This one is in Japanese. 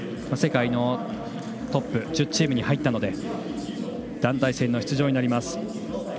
世界のトップ、１０チームに入ったので団体戦の出場になります。